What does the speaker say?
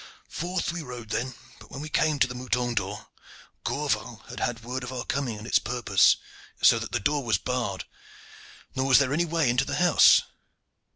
Forth we rode then, but when we came to the 'Mouton d'Or,' Gourval had had word of our coming and its purpose, so that the door was barred, nor was there any way into the house.